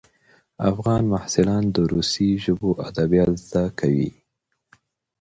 افغان محصلان د روسي ژبو ادبیات زده کوي.